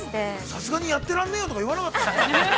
◆さすがにやってらんねえよとか言わなかったの？